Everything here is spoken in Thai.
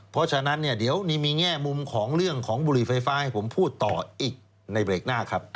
เพราะฉะนั้นเนี่ยเดี๋ยวนี้มีแง่มุมของเรื่องของบุหรี่ไฟฟ้าให้ผมพูดต่ออีกในเบรกหน้าครับ